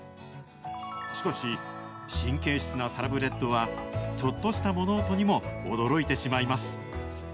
しかし、神経質なサラブレッドは、ちょっとした物音にも驚いてしまいます。